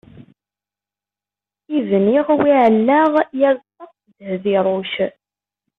I bniɣ wi ɛellaɣ, yal ṭṭaq s dheb iruc.